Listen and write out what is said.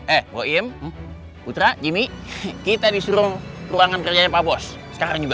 eh royem putra jimmy kita disuruh ruangan kerjanya pak bos sekarang juga